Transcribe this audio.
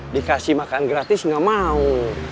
dikasih makan gratis nggak mau